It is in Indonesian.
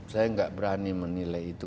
saya nggak berani menilai itu